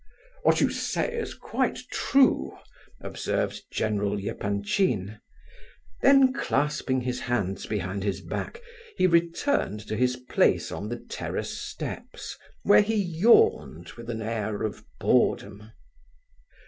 "What you say is quite true," observed General Epanchin; then, clasping his hands behind his back, he returned to his place on the terrace steps, where he yawned with an air of boredom.